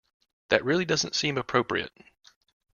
That really doesn't seem appropriate.